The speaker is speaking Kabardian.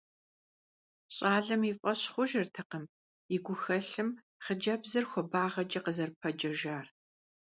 Щӏалэм и фӀэщ хъужыртэкъым и гухэлъым хъыджэбзыр хуабагъэкӀэ къызэрыпэджэжар.